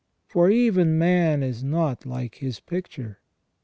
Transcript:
For even man is not like his picture."